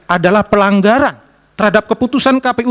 adalah pelanggaran terhadap keputusan kpu